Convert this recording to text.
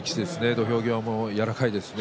土俵際も柔らかいですしね。